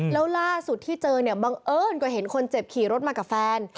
แล้วล่าสุดที่เจอเนี่ยบังเอิญก็เห็นคนเจ็บขี่รถมากับแฟน